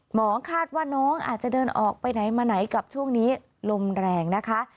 คาดว่าน้องอาจจะเดินออกไปไหนมาไหนกับช่วงนี้ลมแรงนะคะ